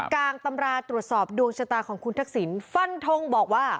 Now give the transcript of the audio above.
งตำราตรวจสอบดวงชะตาของคุณทักษิณฟันทงบอกว่า